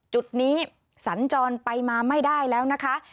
จุดนี้สัญจรไปมาไม่ได้แล้วนะคะ